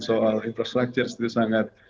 soal infrastruktur itu sangat